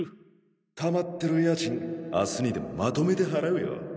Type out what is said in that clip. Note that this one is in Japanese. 溜まってる家賃明日にでもまとめて払うよ。